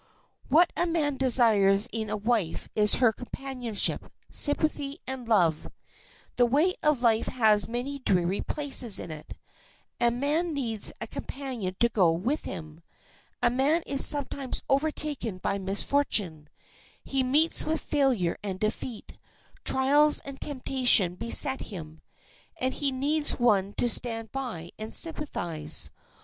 What a man desires in a wife is her companionship, sympathy, and love. The way of life has many dreary places in it, and man needs a companion to go with him. A man is sometimes overtaken by misfortune; he meets with failure and defeat, trials and temptation beset him, and he needs one to stand by and sympathize.